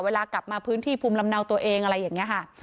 เวลากลับมาพื้นที่ภูมิลำเนาตัวเองอะไรอย่างนี้ค่ะ